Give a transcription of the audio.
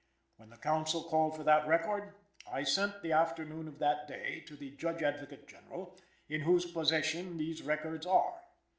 When the counsel called for that record, I sent the afternoon of that day to the Judge Advocate General, in whose possession these records are.